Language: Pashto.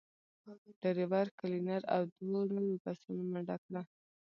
ډرېور، کلينر او دوو نورو کسانو منډه کړه.